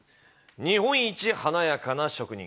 日本一華やかな職人。